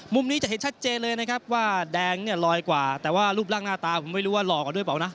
มุมนี้ก็จะเห็นชัดเจนเลยนะครับว่าแดงฮงลอยกว่าแต่รูปของตอนนี้ล่อกรอดื่อเปล่านะ